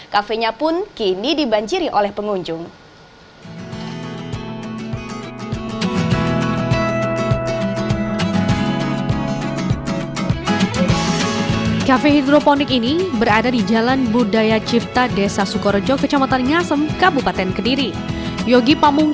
kafenya pun kini dibanjiri oleh pengunjung